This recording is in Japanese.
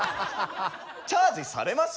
チャージされます？